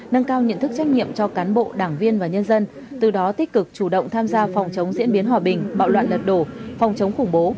nâng cao nhận thức trách nhiệm cho cán bộ đảng viên và nhân dân từ đó tích cực chủ động tham gia phòng chống diễn biến hòa bình bạo loạn lật đổ phòng chống khủng bố